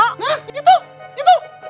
hah itu itu